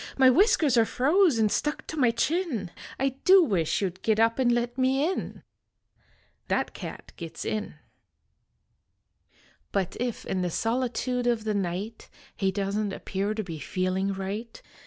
My whiskers are froze nd stuck to my chin. I do wish you d git up and let me in." That cat gits in. But if in the solitude of the night He doesn t appear to be feeling right.